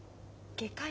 外科医！